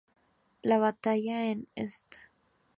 La batalla en St.